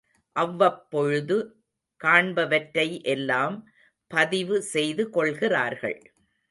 அவ்வப்பொழுது காண்பவற்றை எல்லாம் பதிவு செய்து கொள்கிறார்கள்.